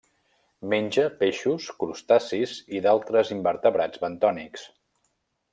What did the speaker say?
Menja peixos, crustacis i d'altres invertebrats bentònics.